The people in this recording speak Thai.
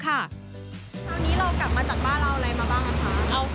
คราวนี้เรากลับมาจากบ้านเราอะไรมาบ้างคะ